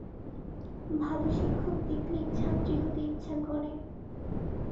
ভাল শিক্ষক দেখলেই ছাত্রী হতে ইচ্ছা করে।